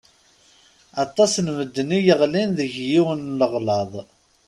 Aṭas n medden i yeɣlin deg yiwen n leɣlaḍ.